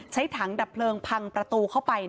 ใช้ถังดับเพลิงพังประตูเข้าไป